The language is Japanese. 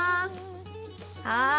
はい。